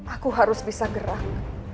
aku harus bisa gerak